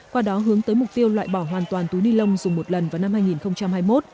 qua đó hướng tới mục tiêu loại bỏ hoàn toàn túi ni lông dùng một lần vào năm hai nghìn hai mươi một